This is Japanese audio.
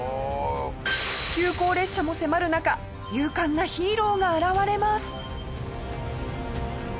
急行列車も迫る中勇敢なヒーローが現れます！